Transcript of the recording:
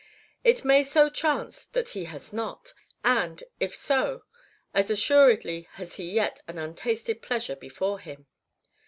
It may so chance that he has not, and, if so, as assuredly has he yet an untasted pleasure before him.